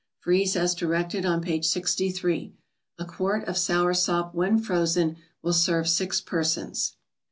Freeze as directed on page 63. A quart of sour sop when frozen will serve six persons.